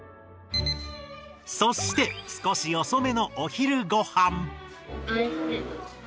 そしてすこしおそめのお昼ごはん。